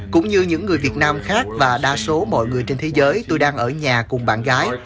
cũng như những người việt nam khác và đa số mọi người trên thế giới tôi đang ở nhà cùng bạn gái